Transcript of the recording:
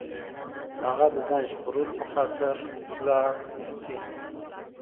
هغه د ځان ژغورلو په خاطر ولاړ شي.